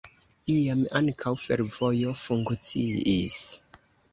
Iam ankaŭ fervojo funkciis.